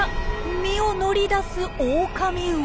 身を乗り出すオオカミウオ。